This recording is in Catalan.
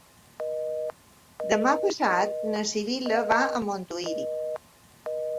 Demà passat na Sibil·la va a Montuïri.